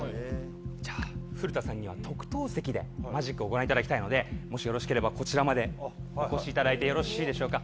じゃあ古田さんには特等席でマジックをご覧いただきたいのでもしよろしければこちらまでお越しいただいてよろしいでしょうか？